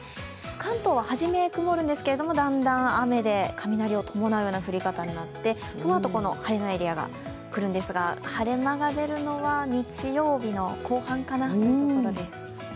関東は初め、曇るんですが、だんだん雨で雷を伴うような降り方になって、そのあと、晴れのエリアが来るんですが、晴れ間が出るのは日曜日の後半かなというところです。